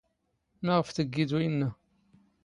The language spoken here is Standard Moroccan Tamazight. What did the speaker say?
ⵎⴰⵖⴼ ⵜⴳⴳⵉⴷ ⵓⵢⵏⵏⴰ?